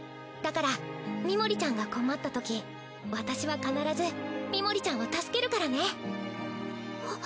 だからミモリちゃんが困った時私は必ずミモリちゃんを助けるからね。